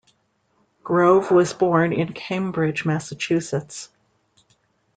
Grove was born in Cambridge, Massachusetts.